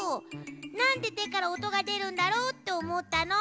なんでてからおとがでるんだろう？っておもったの。